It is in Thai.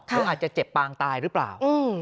หรืออาจจะเจ็บปางตายหรือเปล่า